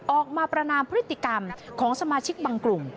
ประนามพฤติกรรมของสมาชิกบางกลุ่ม